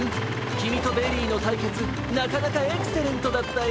きみとベリーのたいけつなかなかエクセレントだったよ！